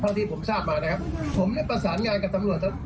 เพราะที่ผมทราบมานะครับผมได้ประสานงานกับทำหน่วง